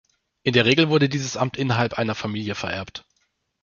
In der Regel wurde dieses Amt innerhalb einer Familie vererbt.